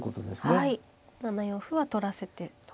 ７四歩は取らせてと。